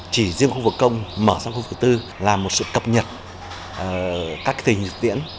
chỉ riêng khu vực công mở ra khu vực tư là một sự cập nhật các thời điểm thực tiễn